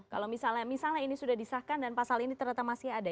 kalau misalnya ini sudah disahkan dan pasal ini ternyata masih ada